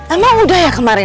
emang udah ya kemarin